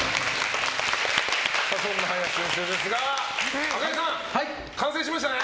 そんな林先生ですが赤井さん！完成しましたね。